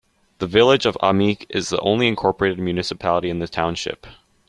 The village of Ahmeek is the only incorporated municipality in the township.